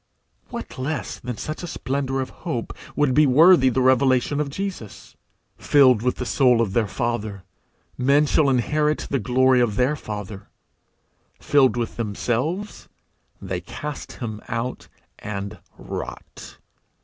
What less than such a splendour of hope would be worthy the revelation of Jesus? Filled with the soul of their Father, men shall inherit the glory of their Father; filled with themselves, they cast him out, and rot.